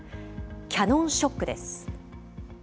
キヤノンショックです。